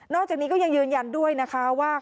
จากนี้ก็ยังยืนยันด้วยนะคะว่า